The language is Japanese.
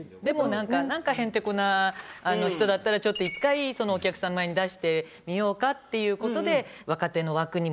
でもなんかなんかへんてこな人だったらちょっと１回お客さんの前に出してみようかっていう事で。